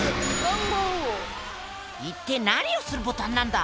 いってえ何をするボタンなんだ？